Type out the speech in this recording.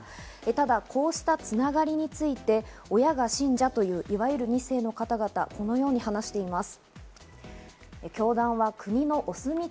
ただこうした繋がりについて親が信者という、いわゆる２世の方々、このように話しています。